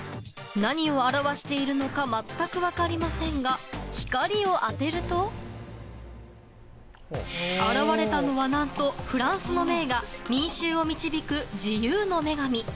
何を表しているのか全く分かりませんが光を当てると現れたのは何とフランスの名画「民衆を導く自由の女神」。